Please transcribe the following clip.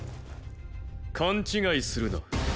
勘違いするな。